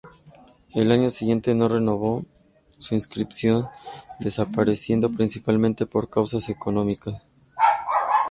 El año siguiente no renovó su inscripción, desapareciendo principalmente por causas económicas.